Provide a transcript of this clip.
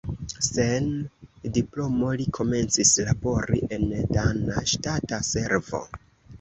Sen diplomo li komencis labori en dana ŝtata servo.